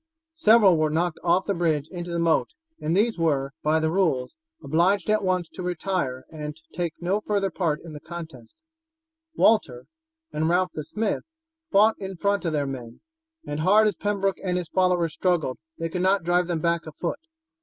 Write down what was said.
Several were knocked off the bridge into the moat, and these were, by the rules, obliged at once to retire and take no further part in the contest. Walter and Ralph the smith, fought in front of their men, and hard as Pembroke and his followers struggled, they could not drive them back a foot.